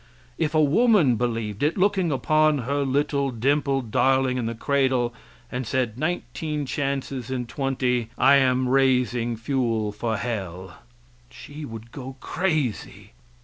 If a woman believed it, looking upon her little dimpled darling in the cradle, and said, "Nineteen chances in twenty I am raising fuel for hell," she would go crazy.